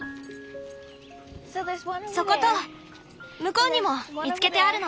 そこと向こうにも見つけてあるの。